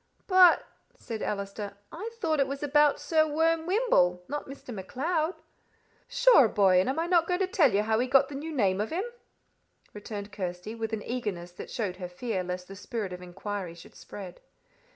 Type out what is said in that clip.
"But," said Allister, "I thought it was about Sir Worm Wymble not Mr. MacLeod." "Sure, boy, and am I not going to tell you how he got the new name of him?" returned Kirsty, with an eagerness that showed her fear lest the spirit of inquiry should spread.